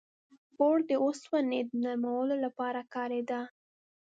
• اور د اوسپنې د نرمولو لپاره کارېده.